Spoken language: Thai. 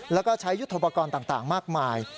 แล้วก็ใช้ยุทธโปรกรณ์ต่างมากมาย